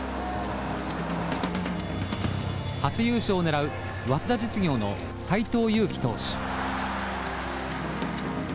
初優勝を狙う早稲田実業の斎藤佑樹投手。